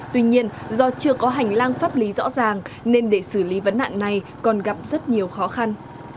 tuy nhiên do chưa có hành lang pháp lý rõ ràng nên để xử lý vấn nạn này còn gặp rất nhiều khó khăn